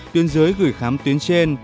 tuyến dưới gửi khám tuyến trên